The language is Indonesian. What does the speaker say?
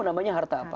namanya harta apa